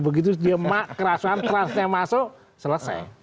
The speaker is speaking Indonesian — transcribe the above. begitu dia mak kerasan kerasnya masuk selesai